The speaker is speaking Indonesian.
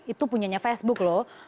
itu punya facebook loh